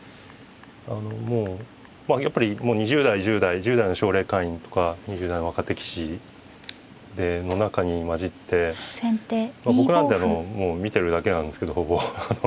あのもうやっぱり２０代１０代１０代の奨励会員とか２０代の若手棋士の中に交じって僕なんてもう見てるだけなんですけどほぼ。